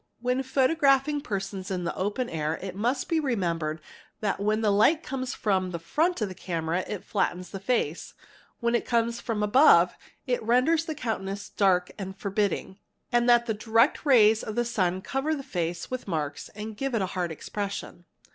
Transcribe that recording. When photographing persons in the open air it must be remem bered that when the light comes from the front of the camera it flattens ~ the face, when it comes from above it renders the countenance dark and forbidding, and that the direct rays of the sun cover the face with marks and give it a hard expression.